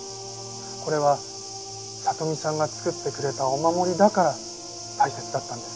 これは里美さんが作ってくれたお守りだから大切だったんです。